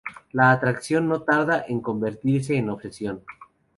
La atracción no tarda en convertirse en obsesión.